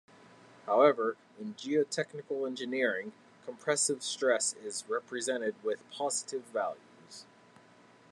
However, in geotechnical engineering, compressive stress is represented with positive values.